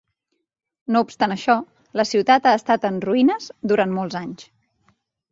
No obstant això, la ciutat ha estat en ruïnes durant molts anys.